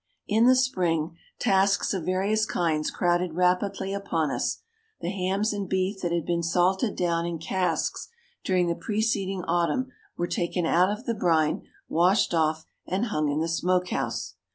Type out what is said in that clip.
In the spring, tasks of various kinds crowded rapidly upon us. The hams and beef that had been salted down in casks during the preceding autumn were taken out of the brine, washed off, and hung in the smoke house.